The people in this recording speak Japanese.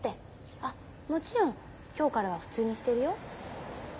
あもちろん今日からは普通にしてるよ。